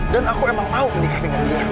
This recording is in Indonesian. dan aku emang mau nikah dengan dia